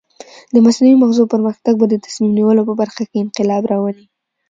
د مصنوعي مغزو پرمختګ به د تصمیم نیولو په برخه کې انقلاب راولي.